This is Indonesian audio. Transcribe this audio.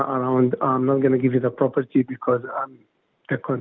dan tidak akan memberikan perusahaan